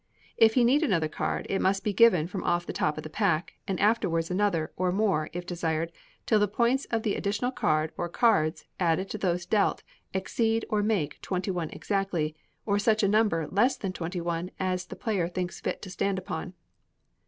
If he need another card, it must be given from off the top of the pack, and afterwards another, or more, if desired, till the points of the additional card or cards, added to those dealt, exceed or make twenty one exactly, or such a number less than twenty one as the player thinks fit to stand upon.